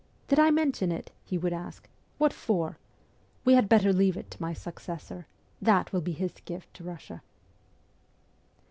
' Did I mention it ?' he would ask. ' What for ? We had better leave it to my successor. That will be his gift to Eussia.'